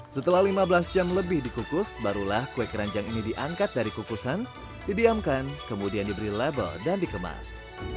setelah lima belas jam lebih dikukus barulah kue keranjang ini diangkat dari kukusan didiamkan kemudian diberi label dan dikemas